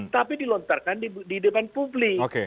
tapi dilontarkan di depan publik